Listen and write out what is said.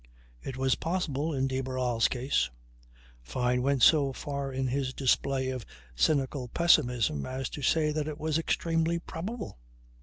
It was possible in de Barral's case. Fyne went so far in his display of cynical pessimism as to say that it was extremely probable.